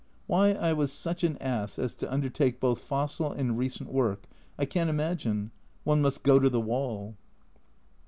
Why I was such an ass as to undertake both fossil and recent work, I can't imagine one must go to the wall.